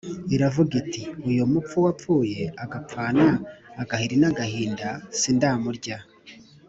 iravuga iti « uyu mupfu wapfuye agapfana agahiri n’agahinda sindamurya !»